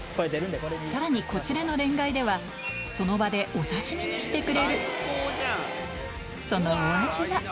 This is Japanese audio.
さらにこちらのれんがいではその場でお刺し身にしてくれる最高じゃん！